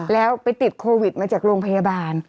แล้วไปติดโควิดมาจากโรงพยาบาล